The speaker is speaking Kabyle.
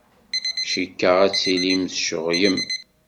Cikkeɣ ad tilim tceɣlem.